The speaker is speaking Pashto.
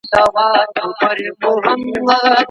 په لاس خط لیکل د ارزښتونو د پیژندلو لاره ده.